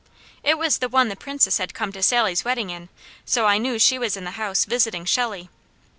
It was the one the Princess had come to Sally's wedding in; so I knew she was in the house visiting Shelley.